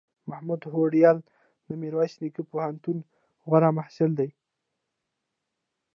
محمود هوډیال دمیرویس نیکه پوهنتون غوره محصل دی